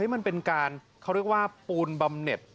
มันเป็นการเขาเรียกว่าปูนบำเน็ต